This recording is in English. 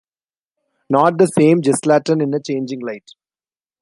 Not the same "Gestalten" in a changing light.